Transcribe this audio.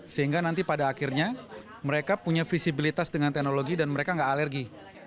sehingga nanti pada akhirnya mereka punya visibilitas dengan teknologi dan mereka nggak alergi